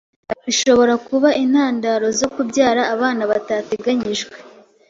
bishobora kuba intandaro zo kubyara abana batateganyijwe